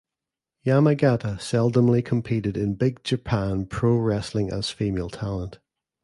Yamagata seldomly competed in Big Japan Pro Wrestling as female talent.